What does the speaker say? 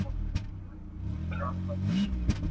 دا دلیل د امتیاز نه سي کېدلای٫